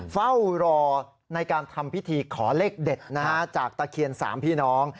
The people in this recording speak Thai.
เฝ้ารอในการทำพิธีขอเลขเด็ดจากตะเคียน๓พี่น้อง